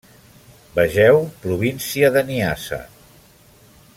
Vegeu Província de Niassa.